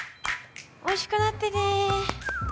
おいしくなってね